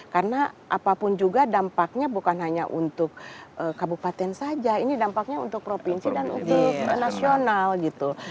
karena apapun juga dampaknya bukan hanya untuk kabupaten saja ini dampaknya untuk provinsi dan untuk nasional gitu